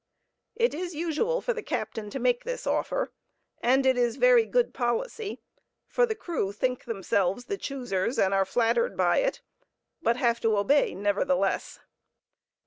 It is usual for the captain to make this offer, and it is very good policy, for the crew think themselves the choosers and are flattered by it, but have to obey, nevertheless.